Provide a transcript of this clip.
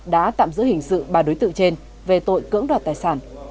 đã tạm giữ hình sự ba đối tượng trên về tội cưỡng đoạt tài sản